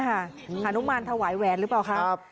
อนุมานถวายแหวนหรือเปล่าครับ